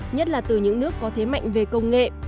nhất là từ những nước có thế mạnh về công nghệ